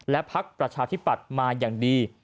และพักประชาธิปัตย์มาอย่างดี